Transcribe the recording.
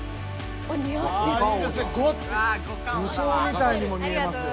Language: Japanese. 武将みたいにも見えますよ。